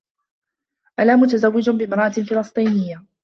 أنا متزوّج بامرأة فلسطينية.